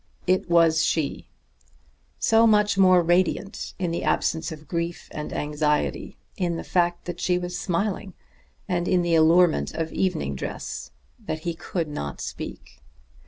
It was she: so much more radiant in the absence of grief and anxiety, in the fact that she was smiling, and in the allurement of evening dress, that he could not speak.